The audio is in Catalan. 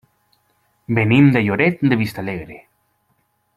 Venim de Lloret de Vistalegre.